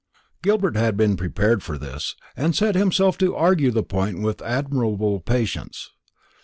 Gilbert had been prepared for this, and set himself to argue the point with admirable patience.